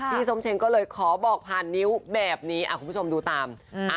ส้มเชงก็เลยขอบอกผ่านนิ้วแบบนี้คุณผู้ชมดูตาม